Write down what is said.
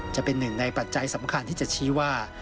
จะเป็นหนึ่งในปัจจัยสำคัญที่จะชี้ว่า